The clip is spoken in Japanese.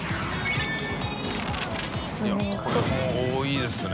いこれも多いですね。